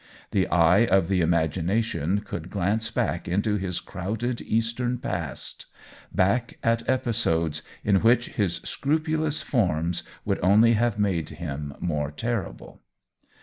The eye of the imagination could glance back into his crowded Eastern past — back at episodes in which his scrupulous forms would only have made him more terrible.